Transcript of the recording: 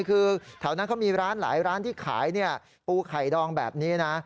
คือแถวนั้นเขามีร้านหลายร้านที่ขายปูไข่ดองแบบนี้นะ